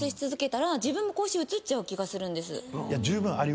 気がするんです。